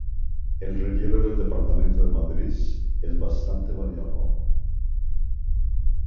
El relieve del Departamento de Madriz es bastante variado.